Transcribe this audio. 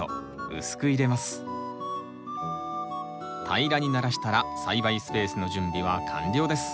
平らにならしたら栽培スペースの準備は完了です。